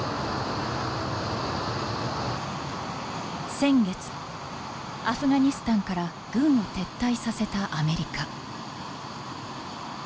先月アフガニスタンから軍を撤退させたアメリカ。